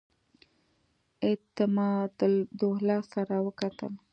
اعتمادالدوله سره وکتل.